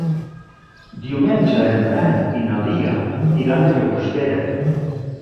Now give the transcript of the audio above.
Diumenge en Dan i na Lia iran a Llagostera.